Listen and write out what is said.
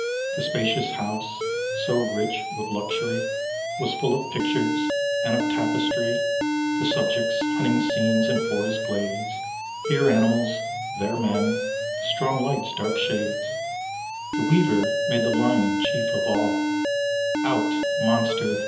The spacious house, so rich with luxury, Was full of pictures, and of tapestry, The subjects hunting scenes, and forest glades: Here animals, there men, strong lights, dark shades, The weaver made the lion chief of all: "Out, monster!"